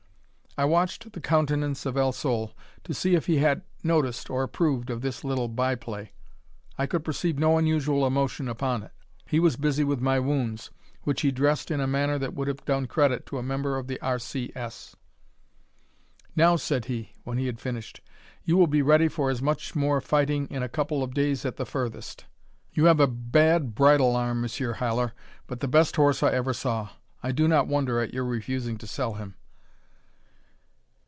I watched the countenance of El Sol to see if he had noticed or approved of this little by play. I could perceive no unusual emotion upon it. He was busy with my wounds, which he dressed in a manner that would have done credit to a member of the R.C.S. "Now," said he, when he had finished, "you will be ready for as much more fighting in a couple of days at the furthest. You have a bad bridle arm, Monsieur Haller, but the best horse I ever saw. I do not wonder at your refusing to sell him."